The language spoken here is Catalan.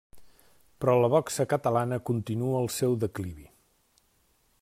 Però la boxa catalana continua el seu declivi.